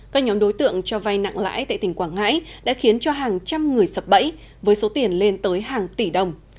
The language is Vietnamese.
các nhóm đối tượng cho vai nặng lãi tại tỉnh quảng ngãi đã khiến cho hàng trăm người sập bẫy với số tiền lên tới hàng tỷ đồng